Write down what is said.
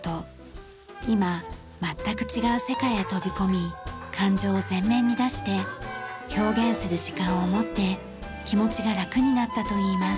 今全く違う世界へ飛び込み感情を前面に出して表現する時間を持って気持ちが楽になったといいます。